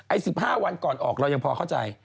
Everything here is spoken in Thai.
๑๕วันก่อนออกเรายังพอเข้าใจ